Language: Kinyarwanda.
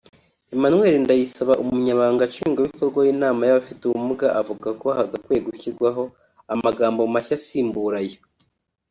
Emmanuel Ndayisaba umunyamabanga nshingwabikorwa w’inama y’abafite ubumuga avuga ko hagakwiye gushyirwamo amagambo mashya asimbura ayo